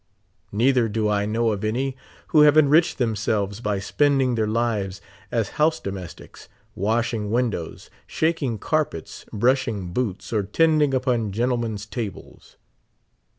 Neither do I know of any who have enriched themselves by spending their lives as house domestics, washing windows, shaking carpets, brushing boots, or tending upon gentlemen's tables.